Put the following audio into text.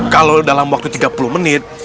kalau dalam waktu tiga puluh menit